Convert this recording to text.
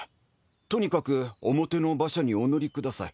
とにかく表の馬車にお乗りください。